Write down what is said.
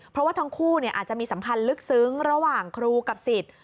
เพราะว่าทั้งคู่อาจจะมีสัมพันธ์ลึกซึ้งระหว่างครูกับสิทธิ์